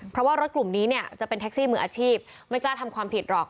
เพราะว่ารถกลุ่มนี้เนี่ยจะเป็นแท็กซี่มืออาชีพไม่กล้าทำความผิดหรอก